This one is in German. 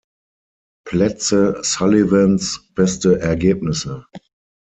Plätze Sullivans beste Ergebnisse.